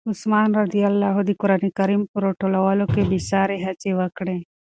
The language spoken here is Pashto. عثمان رض د قرآن کریم په راټولولو کې بې ساري هڅې وکړې.